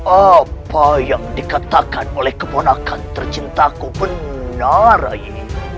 apa yang dikatakan oleh kebonakan tercintaku benar rai